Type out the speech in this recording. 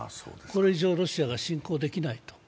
これ以上、ロシアが侵攻できない。